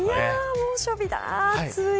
猛暑日だ、暑い。